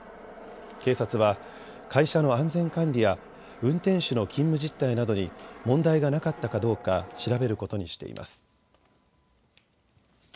警察は会社の安全管理や運転手の勤務実態などに問題がなかったかどうか調べることにしています。